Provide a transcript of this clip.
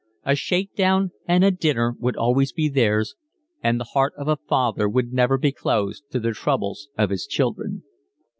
A shakedown and a dinner would always be theirs, and the heart of a father would never be closed to the troubles of his children.